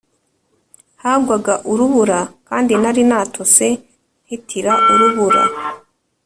Hagwaga urubura kandi nari natose ntitira Urubura